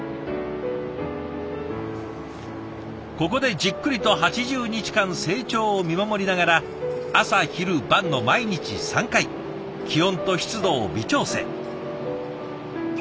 ここでじっくりと８０日間成長を見守りながら朝昼晩の毎日３回気温と湿度を微調整。